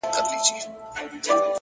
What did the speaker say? هوډ د ستونزو تر منځ لار جوړوي،